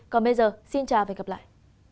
còn bây giờ xin chào và hẹn gặp lại